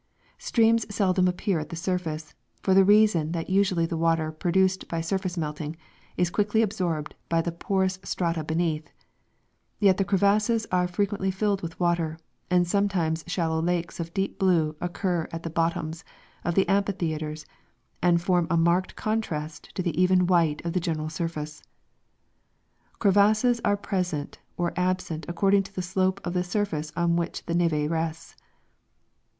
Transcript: Streams S(;ldom api)ear at the surface, for tin; r(;ason that usually the water ]>ro dueed by surface melting is quickly absorbed l^y th(; jjorous strata l)eneath ; yet the crevasses are frefjuently filled with water, and sometimes shallow lakes of deep blue occur at the bottc^ms of the amphitheatres and form a marked contrast to the even white of the general surface. Crevasses are present or absent according to the slope of the surface on which the neve rests.